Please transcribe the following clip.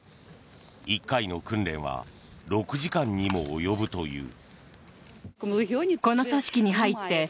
１回の訓練は６時間にも及ぶという。